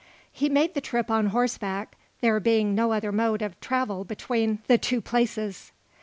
He made the trip on horseback, there being no other mode of travel between the two places.